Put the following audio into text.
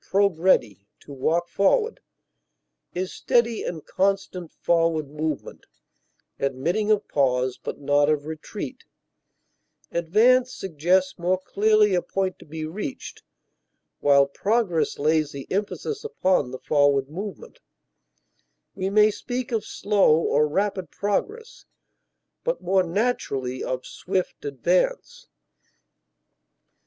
progredi, to walk forward) is steady and constant forward movement, admitting of pause, but not of retreat; advance suggests more clearly a point to be reached, while progress lays the emphasis upon the forward movement; we may speak of slow or rapid progress, but more naturally of swift advance.